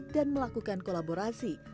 dan melakukan kolaborasi